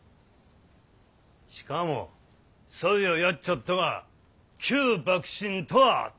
しかもそいをやっちょっとが旧幕臣とはたまがった。